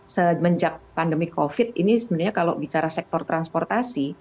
semenjak pandemi covid ini sebenarnya kalau bicara sektor transportasi